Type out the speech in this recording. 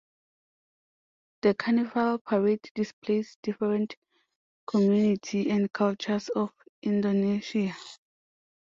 The carnival parade displays different community and cultures of Indonesia.